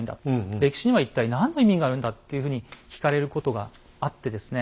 歴史には一体何の意味があるんだっていうふうに聞かれることがあってですね